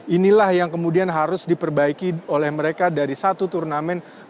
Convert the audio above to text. inilah yang kemudian harus diperbaiki oleh mereka dari satu turnamen